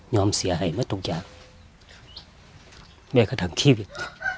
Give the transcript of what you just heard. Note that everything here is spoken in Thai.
เสียหายมาทุกอย่างแม่ก็ทั้งชีวิต